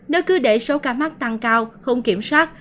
nếu cứ để số ca mắc tăng cao không kiểm soát